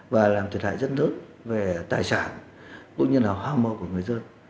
và làm thiệt hại rất lớn về tài sản cũng như là hoa mô của người dân